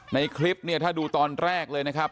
ในคลิปเนี่ยถ้าดูตอนแรกเลยนะครับ